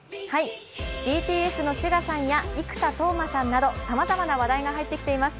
ＢＴＳのＳＵＧＡさんや生田斗真さんなどさまざまな話題が入ってきています。